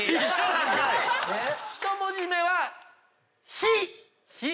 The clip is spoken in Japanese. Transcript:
１文字目は「ひ」